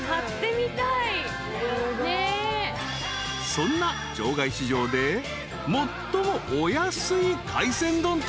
［そんな場外市場で最もお安い海鮮丼とは？］